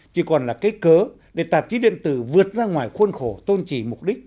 chỉ còn là cây cớ để tạp chí điện tử vượt ra ngoài khuôn khổ tôn trì mục đích